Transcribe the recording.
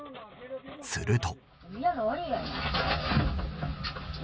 すると。